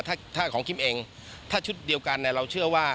หรือเปล่าถ้าของกิ๊มเองถ้าชุดเดียวกันเราเชื่อว่า